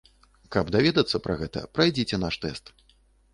Каб даведацца пра гэта, прайдзіце наш тэст.